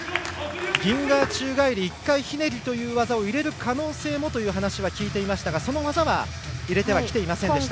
ギンガー宙返り１回ひねりを入れる可能性もと聞いていましたがその技は入れてはきていませんでした。